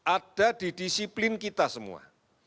ada di disiplin kita semua